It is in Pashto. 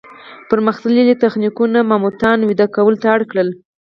پرمختللي تخنیکونه ماموتان ویده کولو ته اړ کړل.